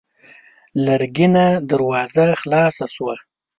لرګينه دروازه خلاصه شوه.